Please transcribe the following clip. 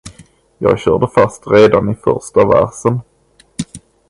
Jag körde fast redan i första versen.